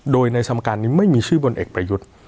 โดยในสมการนี้ไม่มีชื่อบนเอกประยุทธ์